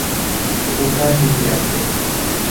কুকুরটা ঠিকই আছে!